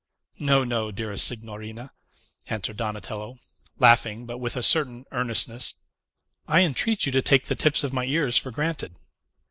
"No, no, dearest signorina," answered Donatello, laughing, but with a certain earnestness. "I entreat you to take the tips of my ears for granted."